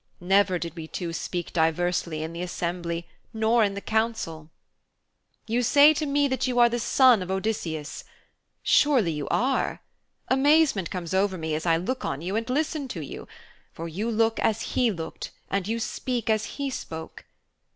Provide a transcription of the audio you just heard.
Never did we two speak diversely in the assembly nor in the council. 'You say to me that you are the son of Odysseus! Surely you are. Amazement comes over me as I look on you and listen to you, for you look as he looked and you speak as he spoke.